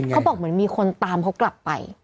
เขาบอกเหมือนมีคนตามเขากลับไป